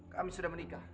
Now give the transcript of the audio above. kami sudah menikah